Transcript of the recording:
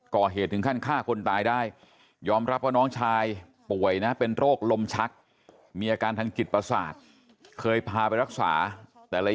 มาเทียบกับคนไม่รู้เท่าในเมืองเช้าโรงงานพ่อว้าย